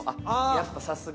やっぱ、さすが。